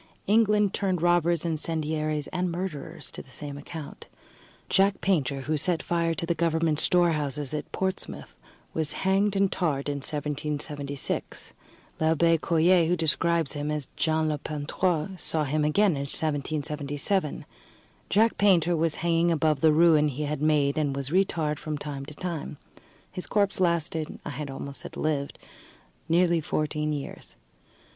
England turned robbers, incendiaries, and murderers to the same account. Jack Painter, who set fire to the government storehouses at Portsmouth, was hanged and tarred in 1776. L'Abbé Coyer, who describes him as Jean le Peintre, saw him again in 1777. Jack Painter was hanging above the ruin he had made, and was re tarred from time to time. His corpse lasted I had almost said lived nearly fourteen years.